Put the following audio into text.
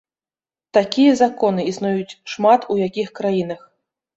Такія законы існуюць шмат у якіх краінах.